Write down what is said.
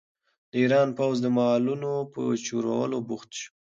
د ایران پوځ د مالونو په چورولو بوخت شو.